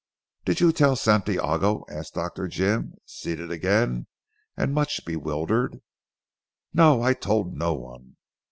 "Did you tell Santiago?" asked Dr. Jim seated again and much bewildered. "No, I told no one.